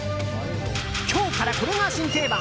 今日からこれが新定番。